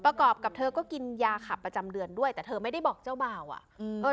ประกอบกับเธอก็กินยาขับประจำเดือนด้วยแต่เธอไม่ได้บอกเจ้าบ่าวอ่ะอืมเออ